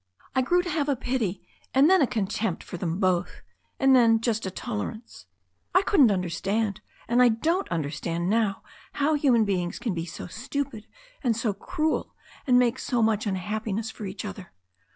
I grew to have a pity and then a contempt for them both, and then just a tolerance. I couldn't under stand, and I don't understand now how human beings can be so stupid, and so cruel, and make so much unhappiness for each other.